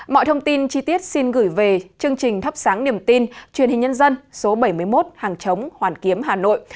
mọi thông tin chi tiết xin gửi về chương trình thắp sáng niềm tin truyền hình nhân dân số bảy mươi một hàng chống hoàn kiếm hà nội